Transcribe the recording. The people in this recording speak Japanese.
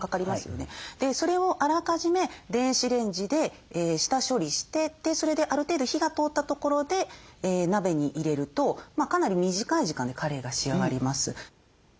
それをあらかじめ電子レンジで下処理してそれである程度火が通ったところで鍋に入れるとかなり短い時間でカレーが仕上がります。